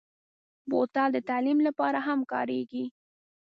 بوتل د تعلیم لپاره هم کارېږي.